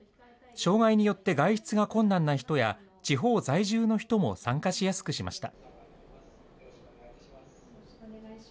障害によって外出が困難な人や、地方在住の人も参加しやすくしました。